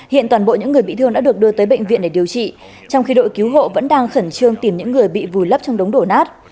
hiện toàn bộ những người bị thương đã được đưa tới bệnh viện để điều trị trong khi đội cứu hộ vẫn đang khẩn trương tìm những người bị vùi lấp trong đống đổ nát